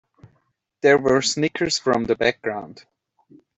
There were snickers from the background.